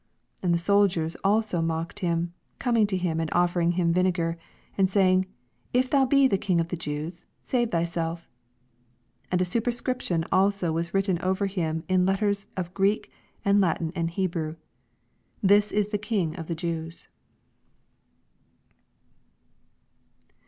36 And the soldiers also mocked him, coming to him, and offering him vinegar, 87 And saying. If thou be the king of the Jews, save thyself. 88 And a superscription also was written over him in letters of Greek, and Latin, and Hebrew, THIS IS THE KING OF THE JEWS.